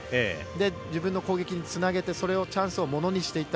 自分の攻撃につなげてチャンスをものにしていった。